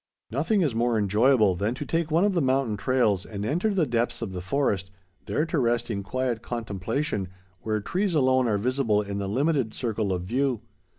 Nothing is more enjoyable than to take one of the mountain trails and enter the depths of the forest, there to rest in quiet contemplation where trees alone are visible in the limited circle of view.